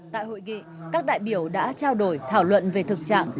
tại hội nghị các đại biểu đã trao đổi thảo luận về thực trạng